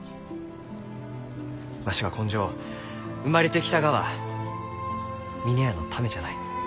わしは今生生まれてきたがは峰屋のためじゃない。